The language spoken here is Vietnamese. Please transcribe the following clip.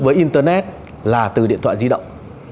với internet là từ điện thoại di động